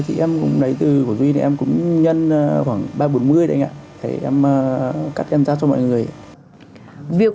thì em cũng không nhớ rõ là các trang gì